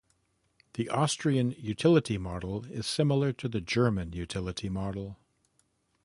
The Austrian utility model is similar to the German utility model.